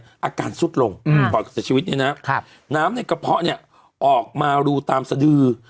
อาการสุดลงก่อนเสียชีวิตเนี่ยนะครับน้ำในกระเพาะเนี่ยออกมารูตามสดือ